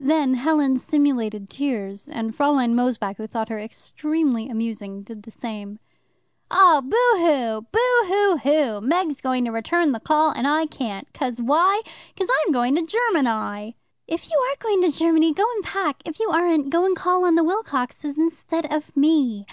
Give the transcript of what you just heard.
Then Helen simulated tears, and Fraulein Mosebach, who thought her extremely amusing, did the same. "Oh, boo hoo! boo hoo hoo! Meg's going to return the call, and I can't. 'Cos why? 'Cos I'm going to German eye." "If you are going to Germany, go and pack; if you aren't, go and call on the Wilcoxes instead of me."